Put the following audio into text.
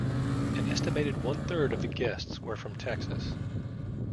An estimated one-third of the guests were from Texas.